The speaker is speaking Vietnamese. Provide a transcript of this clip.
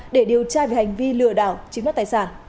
để điều tra về hành vi lừa đảo chiếm đất tài sản